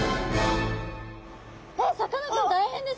えっさかなクン大変です